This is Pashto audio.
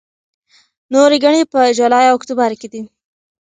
نورې ګڼې په جولای او اکتوبر کې دي.